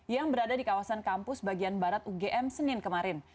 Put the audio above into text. yang berada di kawasan kampus bagian barat ugm senin kemarin